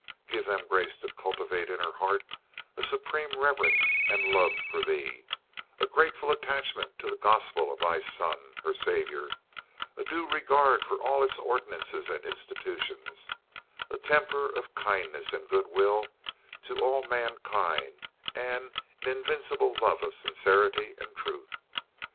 Give them grace to cultivate in her heart a supreme reverence and love for Thee, a grateful attachment to the Gospel of Thy Son, her Saviour, a due regard for all its ordinances and institutions, a temper of kindness and goodwill to all mankind, and an invincible love of sincerity and truth.